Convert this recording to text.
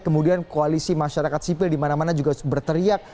kemudian koalisi masyarakat sipil di mana mana juga berteriak